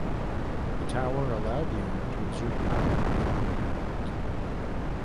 The tower allowed the owner to exert power over the environment.